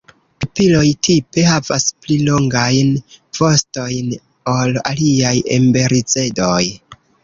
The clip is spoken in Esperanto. Pipiloj tipe havas pli longajn vostojn ol aliaj emberizedoj.